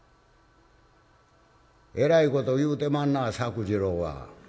「えらいこと言うてまんなあ作治郎は」。